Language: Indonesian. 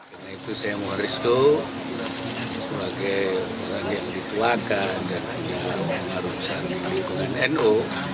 karena itu saya mengharis itu sebagai orang yang dikeluarkan dan yang mengharuskan dihukuman no